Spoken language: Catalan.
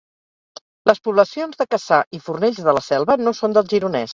Les poblacions de Cassà i Fornells de la Selva no són del Gironès